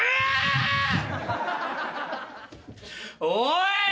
おい！